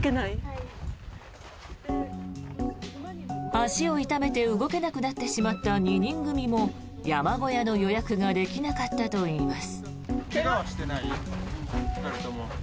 足を痛めて動けなくなってしまった２人組も山小屋の予約ができなかったといいます。